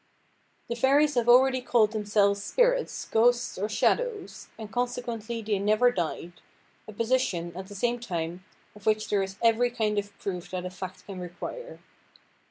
The fairies have already called themselves spirits, ghosts, or shadows, and consequently they never died, a position, at the same time, of which there is every kind of proof that a fact can require.